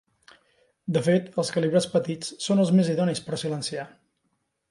De fet, els calibres petits són els més idonis per silenciar.